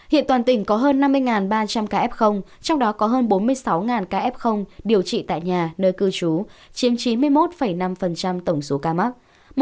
hiện toàn tỉnh có hơn năm mươi ba trăm linh ca ép không trong đó có hơn bốn mươi sáu ca ép không điều trị tại nhà nơi cư trú chiếm chín mươi một năm tổng số ca mắc